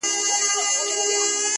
بيزو ناسته وه خاوند ته يې كتله٫